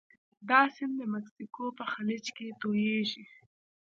دا سیند د مکسیکو په خلیج کې تویږي.